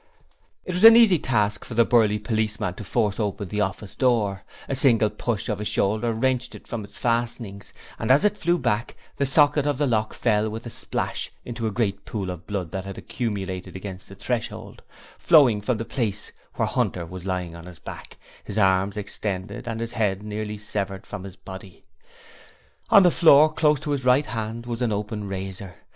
It was an easy task for the burly policeman to force open the office door: a single push of his shoulder wrenched it from its fastenings and as it flew back the socket of the lock fell with a splash into a great pool of blood that had accumulated against the threshold, flowing from the place where Hunter was lying on his back, his arms extended and his head nearly severed from his body. On the floor, close to his right hand, was an open razor.